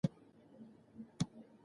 باسواده نجونې د قانون درناوی کوي.